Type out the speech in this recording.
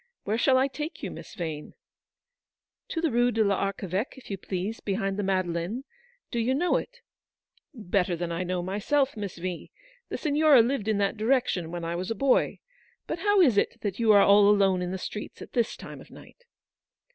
Where shall I take you, Miss Vane ?" "To the Rue de PArcheveque, if you please, behind the Madeleine. Do you know it ?" "Better than I know myself, Miss V. The Signora lived in that direction when I was a boy. But how is it that you are all alone in the streets at this time of night